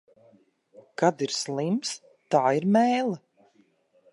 Kad ir slims, tā ir mēle.